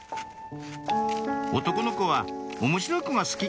「男の子は面白い子が好き」